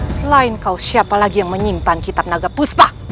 selain kaus siapa lagi yang menyimpan kitab naga puspa